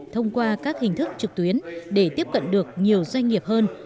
thông qua các hình thức trực tuyến để tiếp cận được nhiều doanh nghiệp hơn